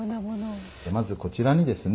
まずこちらにですね